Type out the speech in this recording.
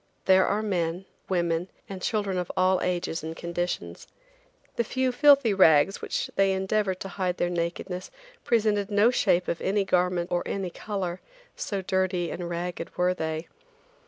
There are men, women and children of all ages and conditions. The few filthy rags with which they endeavored to hide their nakedness presented no shape of any garment or any color, so dirty and ragged were they.